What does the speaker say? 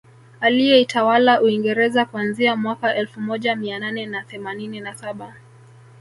Aliyeitawala Uingereza kuanzia mwaka elfu moja Mia nane na themanini na saba